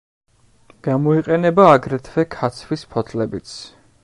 გამოიყენება აგრეთვე ქაცვის ფოთლებიც.